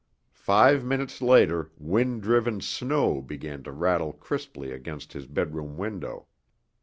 Five minutes later wind driven snow began to rattle crisply against his bedroom window.